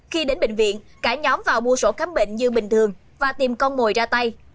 khi đến bệnh viện cả nhóm vào mua sổ khám bệnh như bình thường và tìm con mồi ra tay